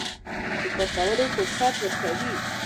د کار کولو فرصت ورکوي.